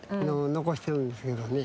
残してるんですけどね。